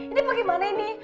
ini bagaimana ini